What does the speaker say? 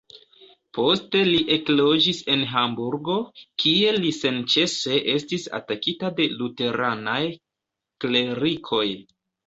Poste li ekloĝis en Hamburgo, kie li senĉese estis atakita de luteranaj klerikoj.